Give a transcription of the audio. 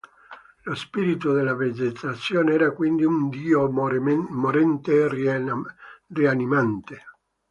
Lo spirito della vegetazione era quindi un "dio morente e rianimante".